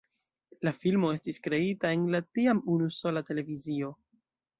La filmo estis kreita en la tiam unusola televizio.